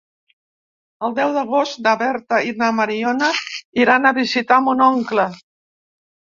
El deu d'agost na Berta i na Mariona iran a visitar mon oncle.